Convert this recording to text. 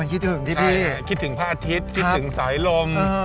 คิดถึงพระอาทิตย์คิดถึงสายลม